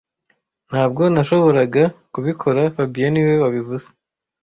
Ntabwo nashoboraga kubikora fabien niwe wabivuze